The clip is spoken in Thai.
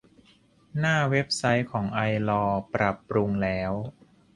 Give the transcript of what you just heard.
หน้าเว็บไซต์ของไอลอว์ ปรับปรุงแล้ว